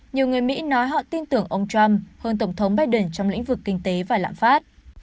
nhiều người mỹ nói họ tin tưởng ông trump hơn tổng thống biden trong lĩnh vực kinh tế và lạm phát